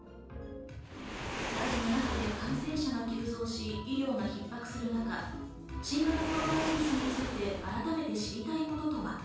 第７波で感染者も急増し、医療がひっ迫する中、新型コロナウイルスについて改めて知りたいこととは？